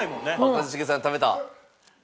一茂さん食べた。